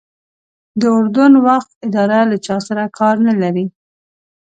د اردن وقف اداره له چا سره کار نه لري.